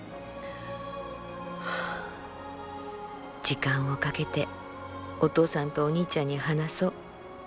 「時間をかけてお父さんとお兄ちゃんに話そう。